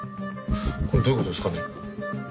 これどういう事ですかね？